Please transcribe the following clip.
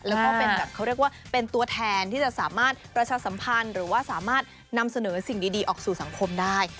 แล้วก็เป็นแบบเขาเรียกว่าเป็นตัวแทนที่จะสามารถประชาสัมพันธ์หรือว่าสามารถนำเสนอสิ่งดีออกสู่สังคมได้